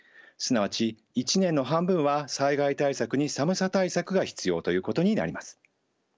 すなわち一年の半分は災害対策に寒さ対策が必要ということになります。